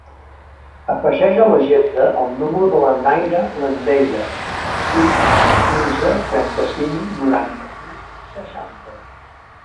Afegeix a l'agenda el número de la Nayra Landeira: sis, quinze, trenta-cinc, noranta-sis, seixanta.